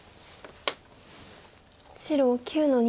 白９の二。